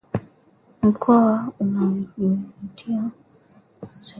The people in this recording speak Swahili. mkoa una vivutio vya kihistoria na kitamaduni